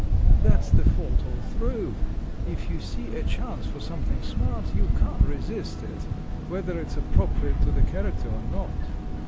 That's the fault all through — if you see a chance for something smart, you can't resist it, whether it's appropriate to the character or not.